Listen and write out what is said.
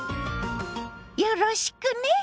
よろしくね！